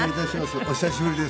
お久しぶりです。